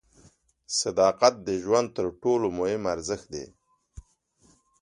صداقت د ژوند تر ټولو مهم ارزښت دی.